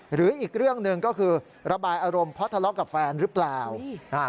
หรืออีกเรื่องหนึ่งก็คือระบายอารมณ์เพราะทะเลาะกับแฟนหรือเปล่าอ่า